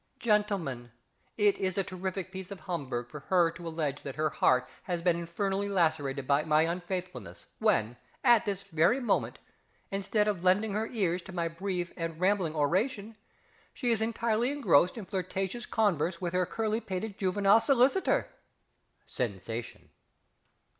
Gentlemen, it is a terrific piece of humbug for her to allege that her heart has been infernally lacerated by my unfaithfulness, when, at this very moment, instead of lending her ears to my brief and rambling oration, she is entirely engrossed in flirtatious converse with her curlypated juvenile solicitor! (_Sensation.